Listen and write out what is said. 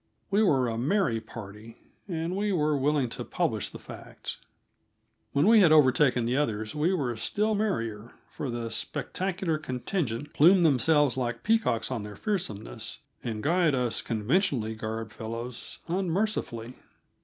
We were a merry party, and we were willing to publish the fact. When we had overtaken the others we were still merrier, for the spectacular contingent plumed themselves like peacocks on their fearsomeness, and guyed us conventionally garbed fellows unmercifully.